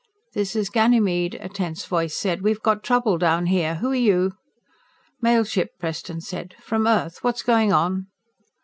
"This is Ganymede," a tense voice said. "We've got trouble down here. Who are you?" "Mail ship," Preston said. "From Earth. What's going on?"